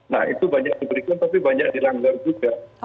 nah itu banyak diberikan tapi banyak dilanggar juga